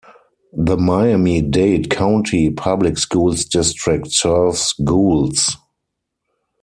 The Miami-Dade County Public Schools district serves Goulds.